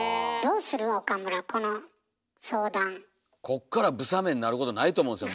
こっからブサメンなることないと思うんですよ